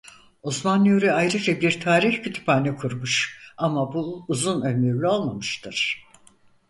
Osman Nuri ayrıca bir tarih kütüphane kurmuş ama bu uzun ömürlü olmamıştır.